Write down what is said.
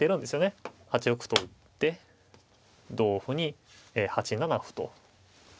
８六歩と打って同歩に８七歩と。